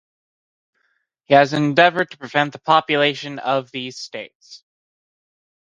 He has endeavoured to prevent the population of these States;